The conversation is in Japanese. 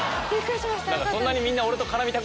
そんなにみんな。